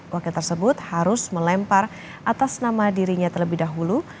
wakil tersebut harus melempar atas nama dirinya terlebih dahulu